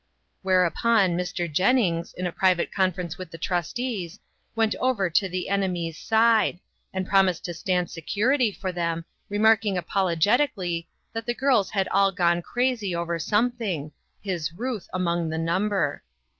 Whereupon, Mr. Jennings, in a private conference with the trustees, went over to the enemy's side, and promised to stand security for them, remarking apologetically that the girls had all gone crazy over some thing, his Ruth among the number.